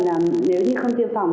thế còn nếu như không tiêm phòng